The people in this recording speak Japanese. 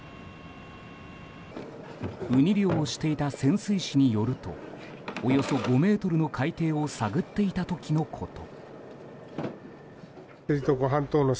ウニ漁をしていた潜水士によるとおよそ５ｍの海底を探っていた時のこと。